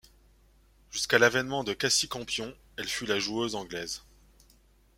Jusqu'à l’avènement de Cassie Campion, elle fut la joueuse anglaise.